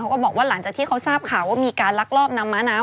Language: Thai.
ก็บอกว่าหลังจากที่เขาทราบข่าวว่ามีการลักลอบนำม้าน้ำ